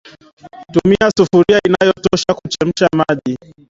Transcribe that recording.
Tumia sufuria inayotosha kuchemsha maji